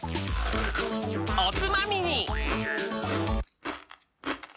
おつまみに！